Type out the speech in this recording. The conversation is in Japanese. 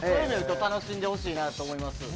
楽しんでほしいなと思います。